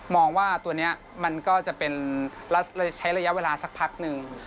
มองว่าตัวนี้มันก็จะเป็นใช้ระยะเวลาสักพักหนึ่ง